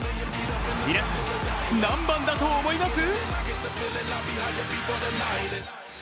皆さん、何番だと思います？